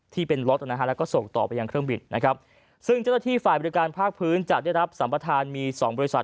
ที่เป็นรถนะฮะแล้วก็ส่งต่อไปยังเครื่องบินนะครับซึ่งเจ้าหน้าที่ฝ่ายบริการภาคพื้นจะได้รับสัมประธานมีสองบริษัท